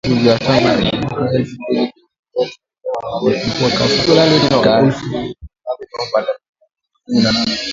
Vita hivi ni vya tangu mwaka elfu mbili na kumi na tatu ingawa vimepungua kasi tangu mwaka elfu mbili na kumi na nane